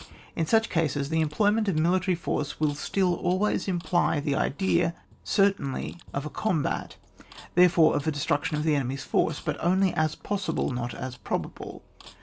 In such cases, the employment of military force will still always imply the idea certainly of a combat, therefore of a destruction of the enemy's force, but only as possible not as probable.